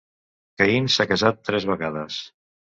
Cain s'ha casat tres vegades.